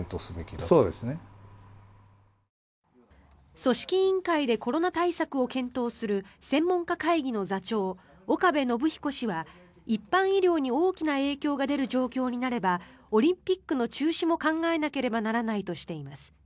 組織委員会でコロナ対策を検討する専門家会議の座長岡部信彦氏は一般医療に大きな影響が出る状況になればオリンピックの中止も考えなければならないとしています。